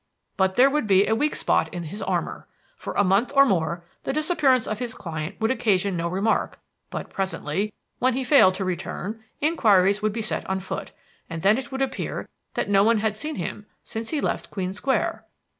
But there would be a weak spot in his armor. For a month or more the disappearance of his client would occasion no remark. But presently, when he failed to return, inquiries would be set on foot; and then it would appear that no one had seen him since he left Queen Square.